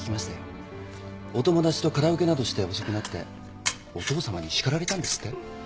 お友達とカラオケなどして遅くなってお父さまにしかられたんですって？